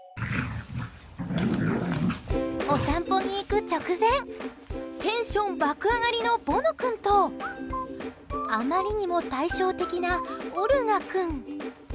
お散歩に行く直前テンション爆上がりのボノ君とあまりにも対照的なオルガ君。